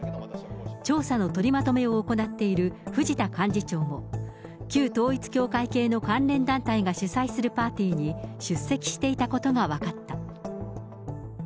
調査の取りまとめを行っている藤田幹事長も、旧統一教会系の関連団体が主催するパーティーに出席していたことが分かった。